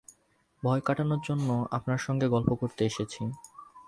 ভয় কাটানোর জন্যে আপনার সঙ্গে গল্প করতে এসেছি।